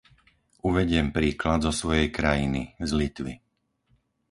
Uvediem príklad zo svojej krajiny, z Litvy.